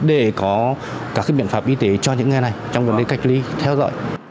để có các biện pháp y tế cho những người này trong vấn đề cách ly theo dõi